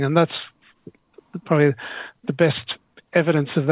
dan itu mungkin bukti terbaik dari itu